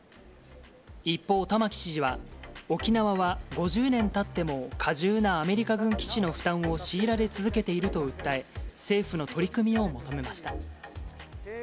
一方、玉城知事は、沖縄は５０年たっても過重なアメリカ軍基地の負担を強いられ続けていると訴え、政府の取り組みを求めました。